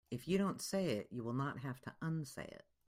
If you don't say it you will not have to unsay it.